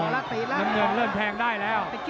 น้ำเงินเริ่มแทงได้แล้ว